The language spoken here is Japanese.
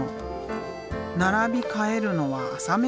並び替えるのは朝飯前。